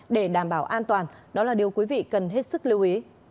để đảm bảo an toàn đó là điều quý vị cần hết sức lưu ý